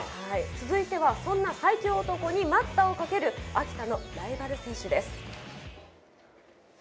続いてはそんな最強男に待ったをかける秋田のライバル選手です。